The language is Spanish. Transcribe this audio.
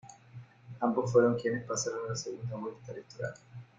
Ambos fueron quienes pasaron a la segunda vuelta electoral.